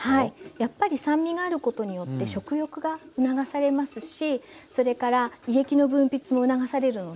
やっぱり酸味があることによって食欲が促されますしそれから胃液の分泌も促されるので消化もとても良くなります。